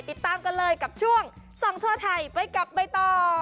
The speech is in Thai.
ติดตามกันเลยกับช่วงส่องทั่วไทยไปกับใบตอง